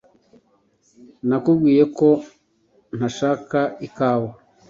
Nakubwiye ko ntashaka ikawa.